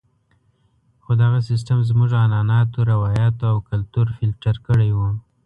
خو دغه سیستم زموږ عنعناتو، روایاتو او کلتور فلتر کړی وو.